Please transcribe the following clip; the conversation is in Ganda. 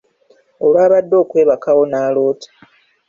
Olwabadde okwebakawo n'aloota.